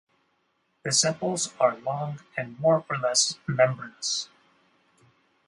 The sepals are long and more or less membranous.